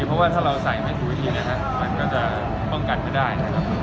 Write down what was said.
เพราะพอเราใส่ไม่ถูกวิธีมันก็จะป้องกันไม่ได้